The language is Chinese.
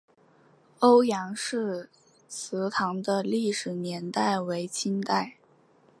欧阳氏祠堂的历史年代为清代。